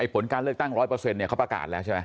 ผลการเลือกตั้ง๑๐๐เขาประกาศแล้วใช่ไหม